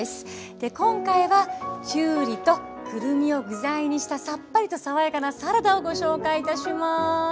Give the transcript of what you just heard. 今回はきゅうりとくるみを具材にしたさっぱりと爽やかなサラダをご紹介いたします。